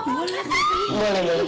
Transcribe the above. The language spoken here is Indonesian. boleh boleh boleh